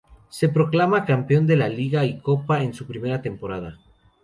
Se proclama campeón de Liga y Copa en su primera temporada.